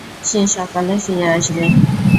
সে সকালে ফিরে আসবে।